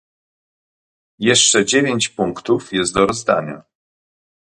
Jeszcze dziewięć punktów jest do rozdania.